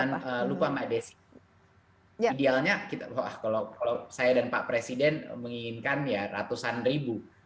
dan jangan lupa mbak desi idealnya kalau saya dan pak presiden menginginkan ratusan ribu